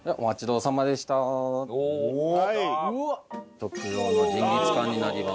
特上のジンギスカンになります。